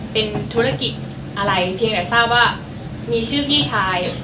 เป็นธุรกิจอะไรเพียงแต่ทราบว่ามีชื่อพี่ชาย